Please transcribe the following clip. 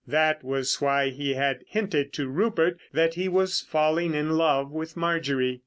That was why he had hinted to Rupert that he was falling in love with Marjorie.